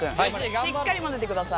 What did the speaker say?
しっかり混ぜてください。